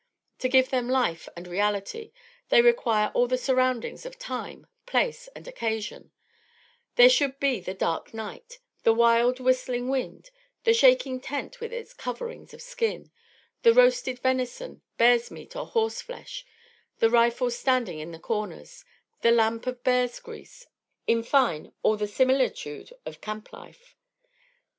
To give them life and reality, they require all the surroundings of time, place and occasion; there should be the dark night; the wild whistling wind; the shaking tent with its covering of skins; the roasted venison, bear's meat, or horse flesh; the rifles standing in the corners; the lamp of bear's grease; in fine, all the similitude of camp life.